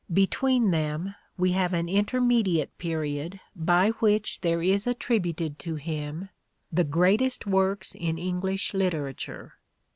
Between them we have an intermediate period by which there is attributed to him the greatest works in English literature.